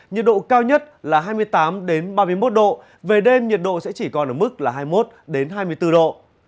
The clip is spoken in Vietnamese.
nhiệt độ cao nhất là hai mươi tám ba mươi một độ về đêm nhiệt độ sẽ chỉ còn ở mức là hai mươi một hai mươi bốn độ